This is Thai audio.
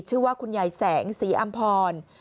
ชื่อว่าคุณยายแสงสีอำพร